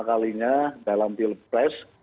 kalinya dalam pilpres